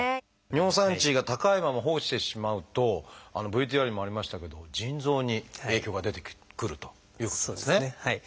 尿酸値が高いまま放置してしまうとＶＴＲにもありましたけども腎臓に影響が出てくるということですね。